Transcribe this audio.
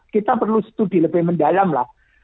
kita perlu studi lebih mendalam lah